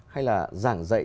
hay là giảng dạy